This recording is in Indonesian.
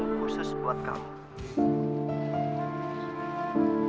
itu memang aku cintai buat kamu khusus buat kamu